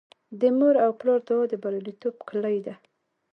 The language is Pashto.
د مور او پلار دعا د بریالیتوب کیلي ده.